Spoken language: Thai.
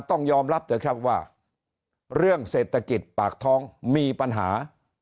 ต้องยอมรับไว้ว่าเรื่องเศรษฐกิจผากท้องมีปัญหา